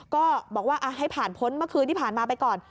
ก็บอกว่าให้ผ่านพ้นเมื่อคืนที่ผ่านมาไปก่อน